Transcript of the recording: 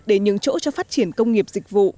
để nhường chỗ cho phát triển công nghiệp dịch vụ